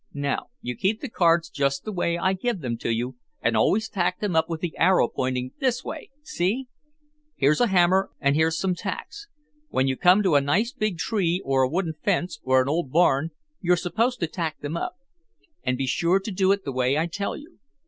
"Now, you keep the cards just the way I give them to you and always tack them up with the arrow pointing this way, see? Here's a hammer and here's some tacks. When you come to a nice big tree or a wooden fence or an old barn, you're supposed to tack them up, and be sure to do it the way I tell you.